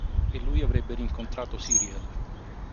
E lui avrebbe rincontrato Syriel.